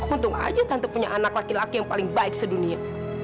untung aja tante punya anak laki laki yang paling baik sedunia